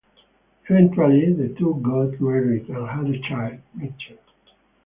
Eventually the two got married and had a child, Mitchell.